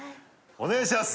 お願いします